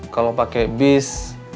kalau pakai bis